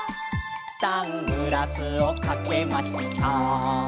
「サングラスをかけました」